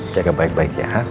jaga baik baik ya